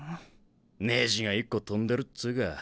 ネジが一個飛んでるっつうか。